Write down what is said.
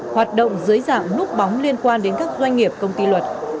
hoạt động dưới dạng núp bóng liên quan đến các doanh nghiệp công ty luật